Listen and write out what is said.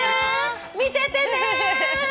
見ててね。